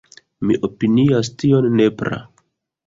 Mi opinias tion nepra.